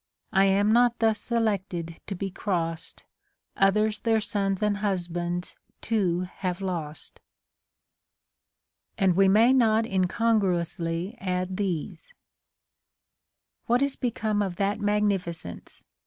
' I am not thus selected to be crossed, Others their sons and husbands too have lost.t And we may not incongruously add these :— What is become of that magnificence